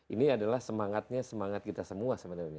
ini adalah semangatnya semangat kita semua sebenarnya